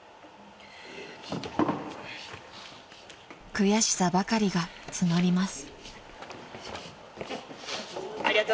［悔しさばかりが募ります］